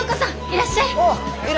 いらっしゃい。